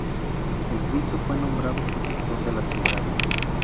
El cristo fue nombrado protector de la ciudad.